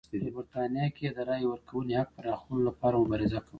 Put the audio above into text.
په برېټانیا کې یې د رایې ورکونې حق پراخولو لپاره مبارزه کوله.